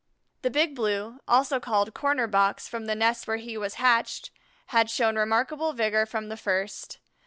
The Big Blue, also called "Corner box" from the nest where he was hatched, had shown remarkable vigor from the first.